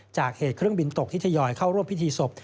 จากเหตุเครื่องบินตกที่ทยอยเข้าร่วมพิธีศพ